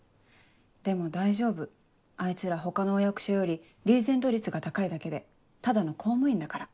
でも大丈夫あいつら他のお役所よりリーゼント率が高いだけでただの公務員だから。